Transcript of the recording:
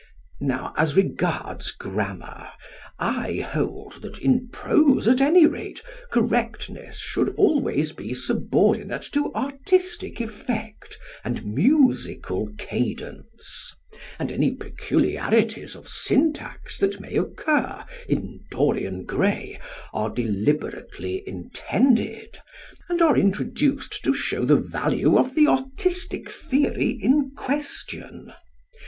Now, as regards grammar, I hold that, in prose at any rate, correctness should always be subordinate to artistic effect and musical cadence; and any peculiarities of syntax that may occur in "Dorian Gray" are deliberately intended, and are introduced to show the value of the artistic theory in question.